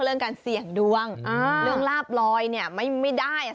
เรื่องการเสี่ยงดวงอ่าเรื่องลาบรอยเนี้ยไม่ไม่ได้อ่ะ